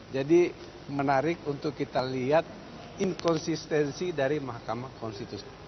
jadi menarik untuk kita lihat inkonsistensi dari mahkamah konstitusi